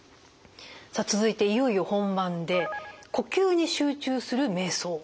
さあ続いていよいよ本番で「呼吸に集中するめい想」ですね。